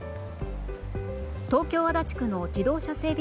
東京・足立区の自動車整備